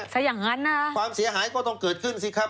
ซะอย่างนั้นนะความเสียหายก็ต้องเกิดขึ้นสิครับ